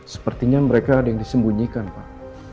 sepertinya mereka ada yang disembunyikan pak